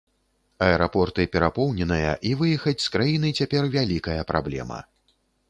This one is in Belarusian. Аэрапорты перапоўненыя і выехаць з краіны цяпер вялікая праблема.